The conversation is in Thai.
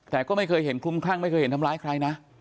แต่ก็ไม่เคยเห็นคลุมคลั่งไม่เคยเห็นทำร้ายใครนะ